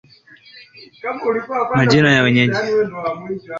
Majina ya wenyeji